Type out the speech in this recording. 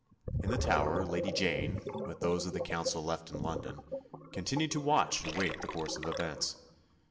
In the Tower Lady Jane, with those of the Council left in London, continued to watch and wait the course of events.